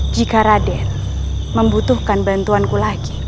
jika raden membutuhkan bantuanku lagi